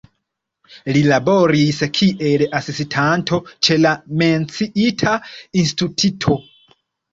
Li laboris kiel asistanto ĉe la menciita instituto.